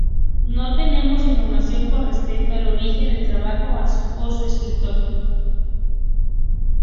No tenemos información con respecto al origen del trabajo o su escritor.